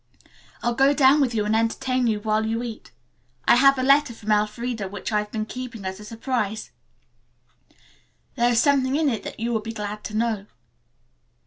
I'll go down with you and entertain you while you eat. I have a letter from Elfreda which I've been keeping as a surprise. There is something in it that you will be glad to know."